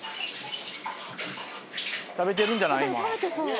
食べてるんじゃない？